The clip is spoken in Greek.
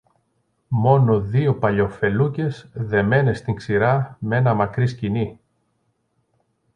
Μόνο δυο παλιοφελούκες δεμένες στην ξηρά μ' ένα μακρύ σκοινί